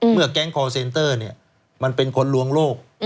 แก๊งคอร์เซนเตอร์มันเป็นคนลวงโลก